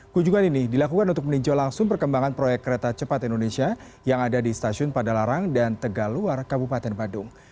kunjungan ini dilakukan untuk meninjau langsung perkembangan proyek kereta cepat indonesia yang ada di stasiun padalarang dan tegaluar kabupaten badung